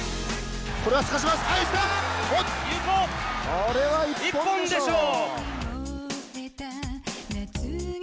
これは一本でしょう！